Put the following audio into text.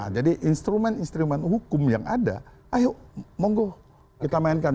jadi instrumen instrumen hukum yang ada ayo monggo kita mainkan